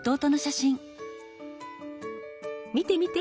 見て見て！